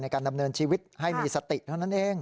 การดำเนินชีวิตให้มีสติเท่านั้นเอง